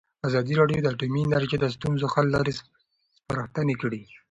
ازادي راډیو د اټومي انرژي د ستونزو حل لارې سپارښتنې کړي.